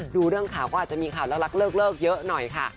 ดูเรื่องข่าวก็อาจจะมีข่าวรักเลิกเยอะหน่อยค่ะ